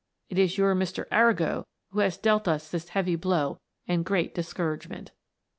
It is your Mr. Arago who has dealt us this heavy blow and great discouragement.